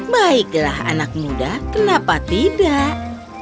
baiklah anak muda kenapa tidak